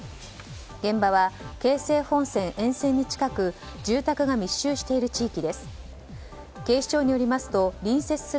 現場は京成本線沿線に近く住宅が密集している地域です。